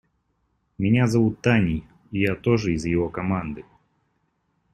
Меня зовут Таней, и я тоже из его команды.